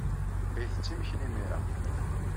La yettett imekli imir-a.